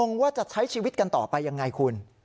งงว่าจะใช้ชีวิตกันต่อไปยังไงคุณ